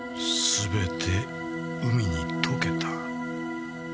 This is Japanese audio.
全て海に溶けた。